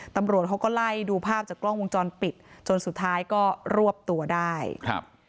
ตำรวจเขาก็ไล่ดูภาพจากกล้องวงจรปิดจนสุดท้ายก็รวบตัวได้ครับ